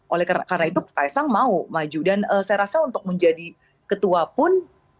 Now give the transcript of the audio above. oleh karena itu kaisang mau maju dan saya rasa untuk menjadi ketua pun